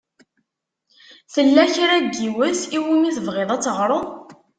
Tella kra n yiwet i wumi tebɣiḍ ad teɣṛeḍ?